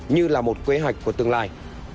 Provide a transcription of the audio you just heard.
như là một kế hoạch của tương lai